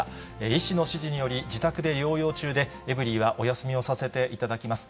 医師の指示により、自宅で療養中で、エブリィはお休みをさせていただきます。